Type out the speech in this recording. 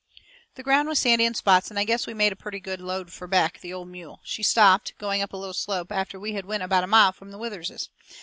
The ground was sandy in spots, and I guess we made a purty good load fur Beck, the old mule. She stopped, going up a little slope, after we had went about a mile from the Witherses'.